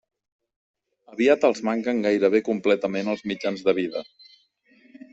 Aviat els manquen gairebé completament els mitjans de vida.